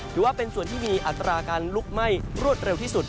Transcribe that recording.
ถือว่าเป็นส่วนที่มีอัตราการลุกไหม้รวดเร็วที่สุด